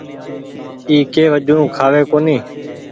اي ڪي وجون کآوي ڪونيٚ ۔